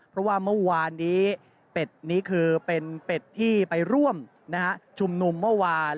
เพราะว่าเมื่อวานนี้เป็ดนี้คือเป็นเป็ดที่ไปร่วมชุมนุมเมื่อวาน